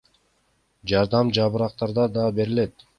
Жардам жабыркагандарга да берилет.